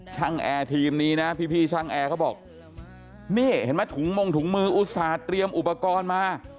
แอร์ทีมนี้นะพี่ช่างแอร์เขาบอกนี่เห็นไหมถุงมงถุงมืออุตส่าห์เตรียมอุปกรณ์มา